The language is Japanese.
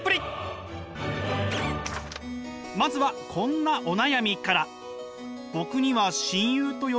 まずはこんなお悩みから。